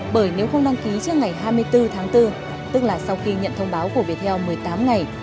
bởi nếu không đăng ký trước ngày hai mươi bốn tháng bốn tức là sau khi nhận thông báo của viettel một mươi tám ngày